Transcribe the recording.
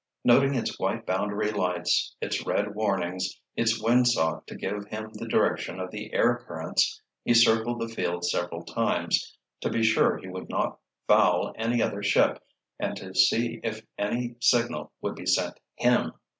Noting its white boundary lights, its red warnings, its windsock to give him the direction of the air currents, he circled the field several times, to be sure he would not foul any other ship, and to see if any signal would be sent him.